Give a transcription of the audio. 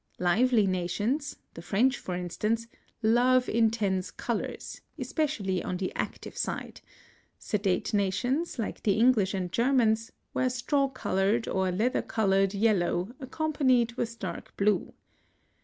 Lively nations, the French for instance, love intense colours, especially on the active side; sedate nations, like the English and Germans, wear straw coloured or leather coloured yellow accompanied with dark blue.